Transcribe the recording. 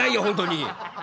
本当に！